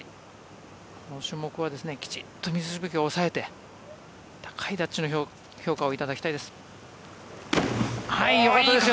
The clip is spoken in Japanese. この種目はきちんと水しぶきを抑えて高いジャッジの評価を頂きたいです。